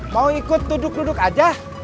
mau ikut duduk duduk aja